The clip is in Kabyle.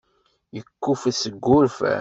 Yekkuffet seg wurfan.